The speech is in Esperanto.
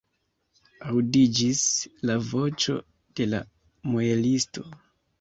Aŭdiĝis la voĉo de la muelisto.